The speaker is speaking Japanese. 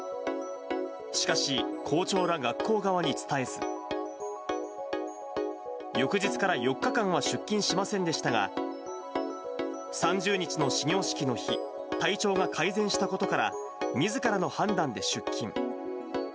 しかし、校長ら学校側に伝えず、翌日から４日間は出勤しませんでしたが、３０日の始業式の日、体調が改善したことから、みずからの判断で出勤。